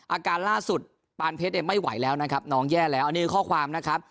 อาการล่าสุดปานเพชรเนี่ยไม่ไหวแล้วนะครับน้องแย่แล้วอันนี้คือข้อความนะครับ